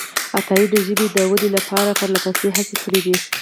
عطایي د ژبې د ودې لپاره پرلهپسې هڅې کړې دي.